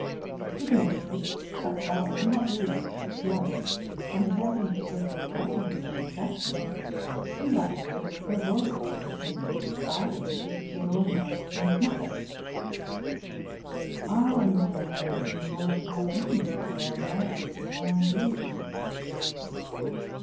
Good natured but dull, not rude but blunt, and without any special liking for instruction, he rather sought to avoid the presence of his father, as he could get all he w vanted from his mother. I, on the other hand, grew more and more intimate with the old man, the more I knew of him.